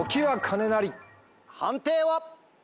判定は？